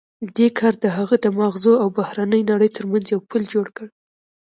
دې کار د هغه د ماغزو او بهرنۍ نړۍ ترمنځ یو پُل جوړ کړ